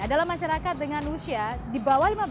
adalah masyarakat dengan usia di bawah